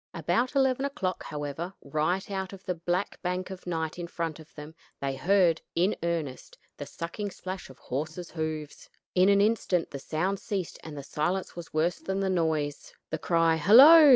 About eleven o'clock, however, right out of the black bank of night in front of them they heard, in earnest, the sucking splash of horses' hoofs. In an instant the sound ceased and the silence was worse than the noise. The cry "Hollo!"